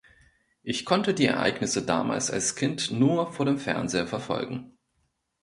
Ich konnte die Ereignisse damals als Kind nur vor dem Fernseher verfolgen.